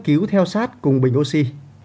cứu theo sát cùng bình oxy